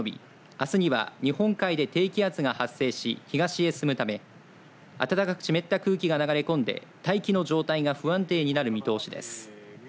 あすには日本海で低気圧が発生し東へ進むため暖かく湿った空気が流れ込んで大気の状態が不安定になる見通しです。